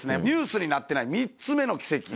ニュースになってない３つ目の奇跡